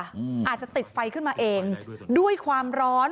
อาจจะติดไฟขึ้นมาเองด้วยความร้อน